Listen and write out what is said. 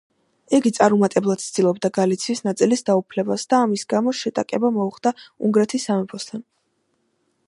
იგი წარუმატებლად ცდილობდა გალიციის ნაწილის დაუფლებას და ამის გამო შეტაკება მოუხდა უნგრეთის სამეფოსთან.